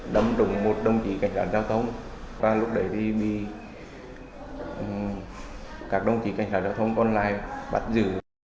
đồng chí cảnh sát giao thông và lúc đấy thì bị các đồng chí cảnh sát giao thông còn lại bắt giữ